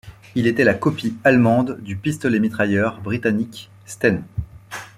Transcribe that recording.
Il était la copie allemande du pistolet-mitrailleur britannique Sten.